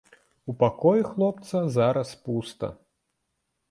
У пакоі хлопца зараз пуста.